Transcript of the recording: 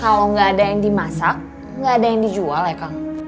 kalau nggak ada yang dimasak nggak ada yang dijual ya kang